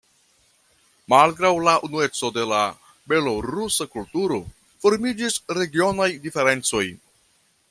Malgraŭ la unueco de la belorusa kulturo formiĝis regionaj diferencoj.